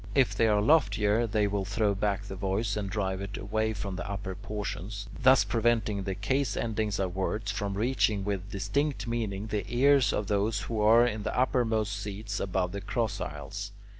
If they are loftier, they will throw back the voice and drive it away from the upper portion, thus preventing the case endings of words from reaching with distinct meaning the ears of those who are in the uppermost seats above the cross aisles.